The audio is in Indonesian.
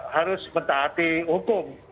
harus mentaati hukum